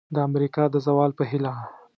د امریکا د زوال په هیله!